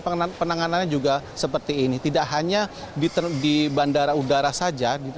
penanganannya juga seperti ini tidak hanya di bandara udara saja di bandara udara juanda saja di jawa timur ini